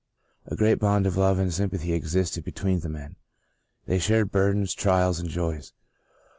A great bond of love and sympathy ex isted between the men ; they shared burdens, trials and joys.